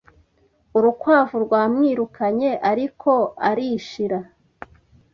Urukwavu rwamwirukanye ariko arishira